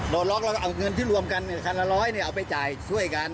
ดันล็อคแล้วเอาเงินที่รวมกันคันละ๑๐๐บาทเอาไปจ่ายช่วยกัน